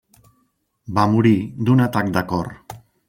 Va morir d'un atac de cor.